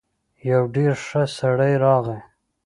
يو ډېر ښه سړی راغی.